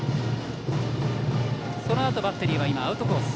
そのあとバッテリーはアウトコース。